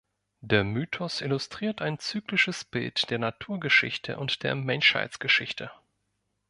Der Mythos illustriert ein zyklisches Bild der Naturgeschichte und der Menschheitsgeschichte.